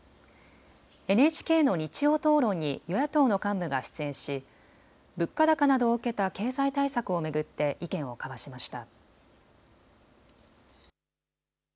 ＮＨＫの日曜討論に与野党の幹部が出演し物価高などを受けた経済対策を巡って意見を交わしました。